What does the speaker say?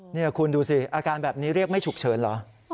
นี่คุณดูสิอาการแบบนี้เรียกไม่ฉุกเฉินเหรอ